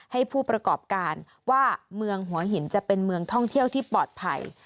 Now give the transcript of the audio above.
ให้ผู้ประกอบการว่าเมืองหัวหินจะเป็นเมืองท่องเที่ยวที่ปลอดภัย